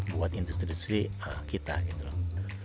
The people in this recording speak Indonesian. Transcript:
buat industri industri kita gitu loh